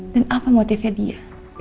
dan apa motifnya dia